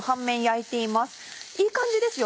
いい感じですよ